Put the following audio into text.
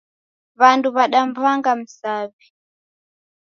W'andu wadamw'anga msaw'i.